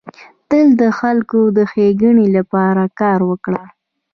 تل د خلکو د ښيګڼي لپاره کار وکړه.